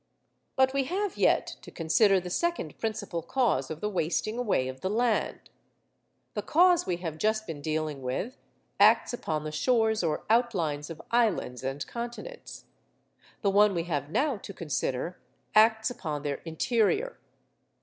But we have yet to consider the second principal cause of the wasting away of the land. The cause we have just been dealing with acts upon the shores or outlines of islands and continents; the one we have now to consider acts upon their interior.